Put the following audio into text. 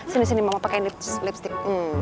sini sini mama pakai lipstick